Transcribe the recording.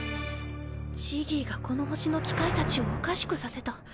ジギーがこの星の機械たちをおかしくさせた。